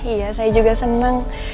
iya saya juga senang